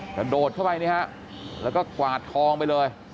กระโดดเข้าไปนี่ฮะแล้วก็กวาดทองไปเลย